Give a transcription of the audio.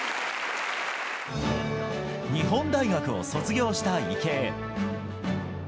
日本大学を卒業した池江。